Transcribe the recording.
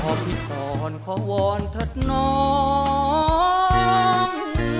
พี่ก่อนขอวอนเถิดน้อง